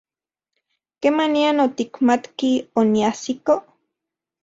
¿Kemanian otikmatki oniajsiko?